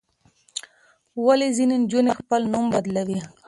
ولې ځینې نجونې خپل نوم بدلوي؟